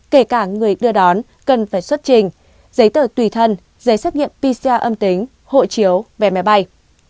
kể cả người đưa đón cần phải xuất trình giấy tờ tùy thân giấy xác nhận pcr âm tính hộ chiếu vé máy bay